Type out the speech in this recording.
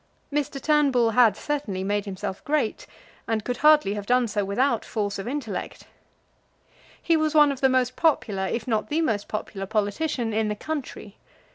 Mr. Turnbull had certainly made himself great, and could hardly have done so without force of intellect. He was one of the most popular, if not the most popular politician in the country.